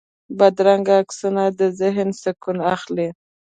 بدرنګه عکسونه د ذهن سکون اخلي